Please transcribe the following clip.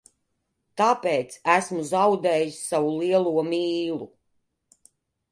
Tāpēc esmu zaudējis savu lielo mīlu.